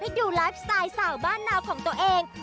ดูไลฟ์สไตล์สาวบ้านนาวของตัวเอง